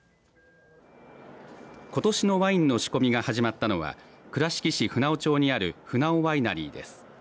ことしのワインの仕込みが始まったのは倉敷市船穂町にあるふなおワイナリーです。